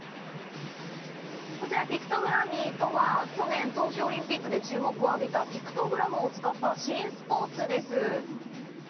こちらピクトグラミーとは、去年、東京オリンピックで注目を浴びたピクトグラムを使った新スポーツです。